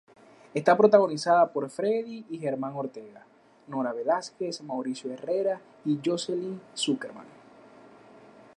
Está protagonizada por Freddy y Germán Ortega, Nora Velázquez, Mauricio Herrera y Jocelyn Zuckerman.